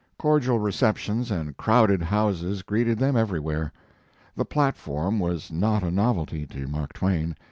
Cordial receptions and crowded houses greeted them everywhere. The platform was not a novelty to Mark Twain.